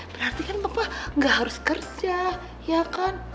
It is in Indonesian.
berarti kan bapak nggak harus kerja ya kan